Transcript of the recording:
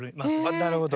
あなるほど。